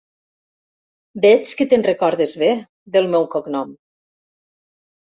Veig que te'n recordes bé, del meu cognom!